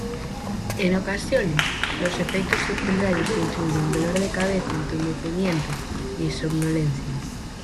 En ocasiones, los efectos secundarios incluyen dolor de cabeza, entumecimiento y somnolencia.